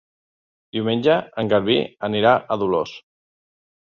Diumenge en Garbí anirà a Dolors.